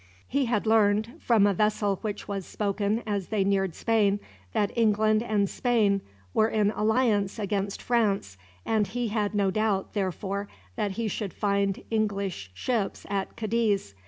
He had learned, from a vessel which was spoken as they neared Spain, that England and Spain were in alliance against France; and he had no doubt, therefore, that he should find English ships at Cadiz.